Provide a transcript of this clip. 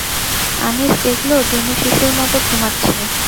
আনিস দেখল দিনু শিশুর মতো ঘুমাচ্ছে।